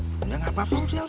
udah gak apa apa ustaz